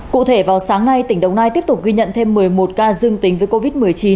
cụ thể vào sáng nay tỉnh đồng nai tiếp tục ghi nhận thêm một mươi một ca dương tính với covid một mươi chín